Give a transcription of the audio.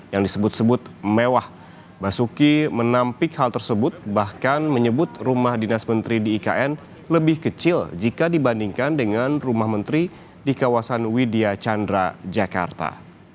yang disebut sebut mewah basuki menampik hal tersebut bahkan menyebut rumah dinas menteri di ikn lebih kecil jika dibandingkan dengan rumah menteri di kawasan widya chandra jakarta